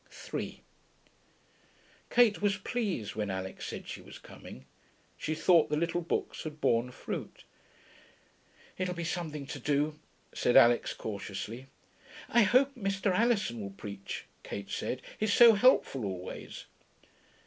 3 Kate was pleased when Alix said she was coming. She thought the little books had borne fruit. 'It'll be something to do,' said Alix cautiously. 'I hope Mr. Alison will preach,' Kate said. 'He's so helpful always.'